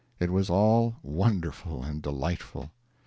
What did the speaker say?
It was all wonderful and delightful.